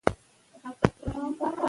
پوهاند ویلي وو چې نښې کمي دي.